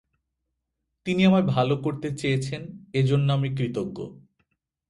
তিনি আমায় ভাল করতে চেয়েছেন, এজন্য আমি কৃতজ্ঞ।